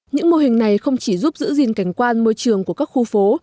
những mô hình này không chỉ giúp giữ gìn cảnh quan môi trường của các khu phố